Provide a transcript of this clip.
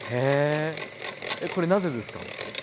へえこれなぜですか？